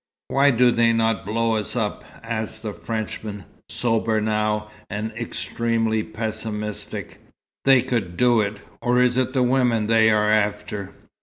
"Why do they not blow us up?" asked the Frenchman, sober now, and extremely pessimistic. "They could do it. Or is it the women they are after?"